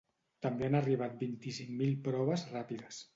També han arribat vint-i-cinc mil proves ràpides.